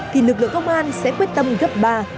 thì lực lượng công an sẽ quyết tâm gấp ba